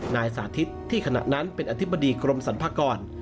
นายสาธิตที่ขณะนั้นเป็นอธิบดีกรมสรรพากร